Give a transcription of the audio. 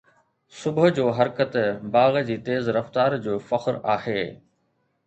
صبح جو حرڪت باغ جي تيز رفتار جو فخر آهي